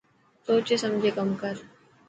سوچي سمجهي ڪم ڪر.